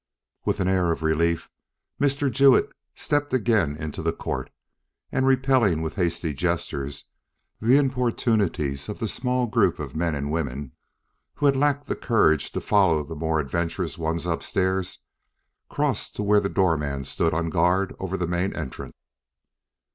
With an air of relief Mr. Jewett stepped again into the court, and repelling with hasty gestures the importunities of the small group of men and women who had lacked the courage to follow the more adventurous ones upstairs, crossed to where the door man stood on guard over the main entrance.